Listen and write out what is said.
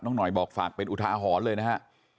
หน่อยบอกฝากเป็นอุทาหรณ์เลยนะฮะ